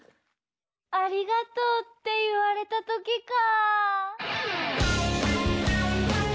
「ありがとう」っていわれたときか。